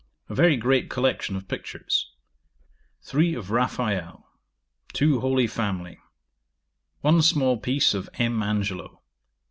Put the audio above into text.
A very great collection of pictures. Three of Raphael. Two Holy Family. One small piece of M. Angelo.